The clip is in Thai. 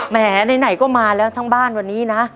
แหมไหนก็มาแล้วทั้งบ้านวันนี้นะ